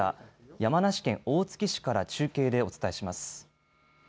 山梨県大月市から中継でお伝えします。